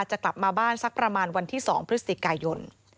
จะกลับมาบ้านสักประมาณวันที่๒พฤศจิกายน